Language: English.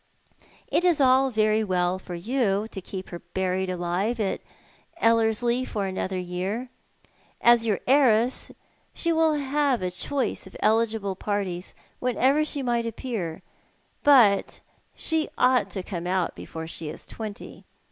" It is all very well for you to keep her buried alive at Ellerslic for another year. As your heiress she will have a choice of eligible partis whenever she may appear; but she ought to come out before she is twenty.